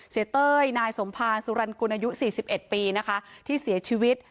เสียเต้ยนายสมภาสุรรรณกุณยุ๔๑ปีที่เสียชีวิต